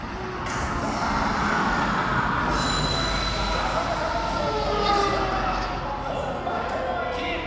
ガサガサボイスのこけしファイター、本間朋晃！